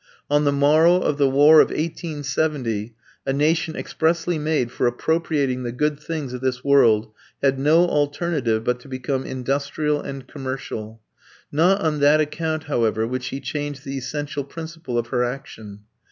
On the morrow of the war of 1870 a nation expressly made for appropriating the good things of this world had no alternative but to become industrial and commercial. Not on that account, however, would she change the essential principle of her action.